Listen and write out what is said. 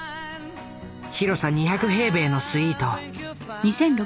広さ２００平米のスイート。